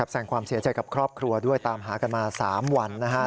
แสงความเสียใจกับครอบครัวด้วยตามหากันมา๓วัน